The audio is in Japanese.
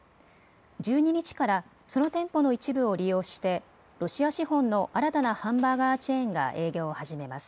１２日からその店舗の一部を利用してロシア資本の新たなハンバーガーチェーンが営業を始めます。